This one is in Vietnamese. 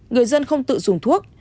người dân không tự dùng thuốc